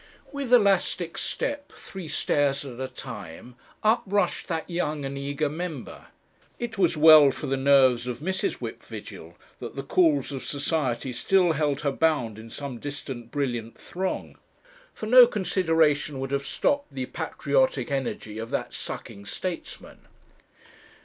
With elastic step, three stairs at a time, up rushed that young and eager member. It was well for the nerves of Mrs. Whip Vigil that the calls of society still held her bound in some distant brilliant throng; for no consideration would have stopped the patriotic energy of that sucking statesman.